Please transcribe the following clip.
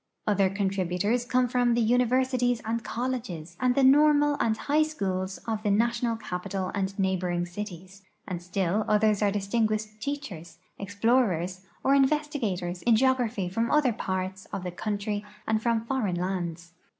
Other contributors come from the universities and col leges and the normal and high schools of the national caj)ital and neighboring cities ; and still others are distinguished teachers, explorers, or investigators in geography from other parts of the country and from foreign lands.